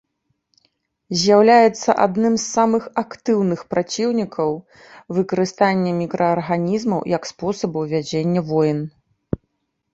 З'яўляецца адным з самых актыўных праціўнікаў выкарыстання мікраарганізмаў як спосабаў вядзення войн.